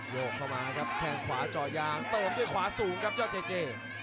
โยกเข้ามาครับแข้งขวาเจาะยางเติมด้วยขวาสูงครับยอดเจเจ